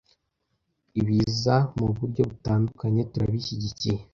Ibiza muburyo butandukanye turabishyigikiye